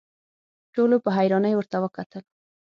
ټولو په حيرانۍ ورته وکتل.